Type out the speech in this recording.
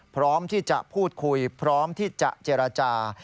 พร้อมที่จะพูดคุยพร้อมที่จะเจรจา